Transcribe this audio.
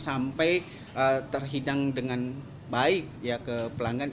sampai terhidang dengan baik ke pelanggan